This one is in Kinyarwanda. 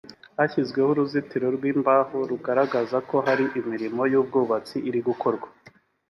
hashyizwe uruzitiro rw’imbaho rugaragaza ko hari imirimo y’ubwubatsi iri gukorwa